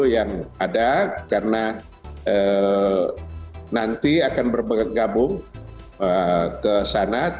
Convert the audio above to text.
yang ada karena nanti akan bergabung ke sana